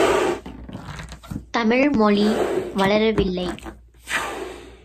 தமிழ் மொழி வளரவில்லை!